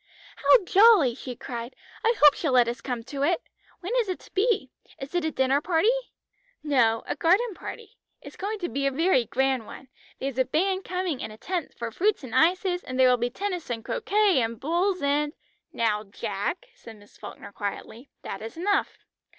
"How jolly!" she cried. "I hope she'll let us come to it. When is it to be? Is it a dinner party?" "No, a garden party. It's going to be a very grand one. There's a band coming, and a tent for fruit and ices, and there will be tennis and croquet, and bowls and " "Now, Jack," said Miss Falkner quietly, "that is enough.